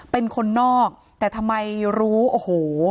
เป็นคนนอกแต่ทำไมรู้โอ้โห